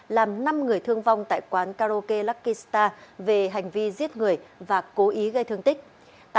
làm năm người thương vong tại quán karaoke luckysta về hành vi giết người và cố ý gây thương tích